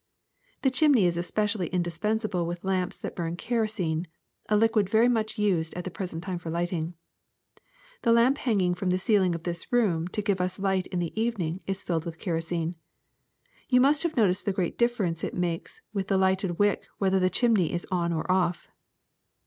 *'The chimney is especially indispensable with lamps that burn kerosene, a liquid very much used at the present time for lighting. The lamp hanging from the ceiling of this room to give us light in the evening is filled with kerosene. You must have noticed the great difference it makes with the lighted wick whether the chimney is on or off."